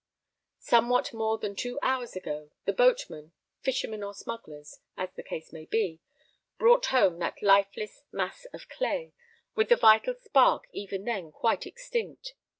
Somewhat more than two hours ago, the boatmen fishermen or smugglers, as the case may be brought home that lifeless mass of clay, with the vital spark even then quite extinct.